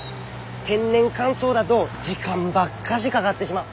天然乾燥だど時間ばっかしかがってしまう。